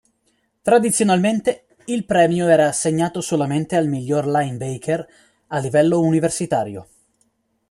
Tradizionalmente, il premio era assegnato solamente al miglior linebacker a livello universitario.